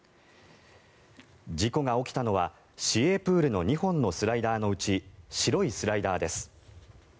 事故が起きたのは、市営プールの２本のスライダーのうち白いスライダーです。